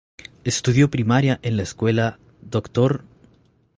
Estudió primaria en la Escuela “Dr.